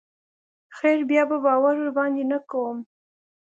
خير بيا به باور ورباندې نه کوم.